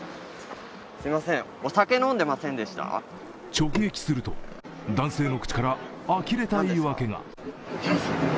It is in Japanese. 直撃すると、男性の口からあきれた言い訳が。